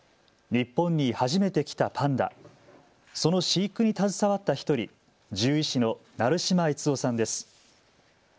日本に初めて来たパンダ、その飼育に携わった１人、獣医師の成島悦雄さんです。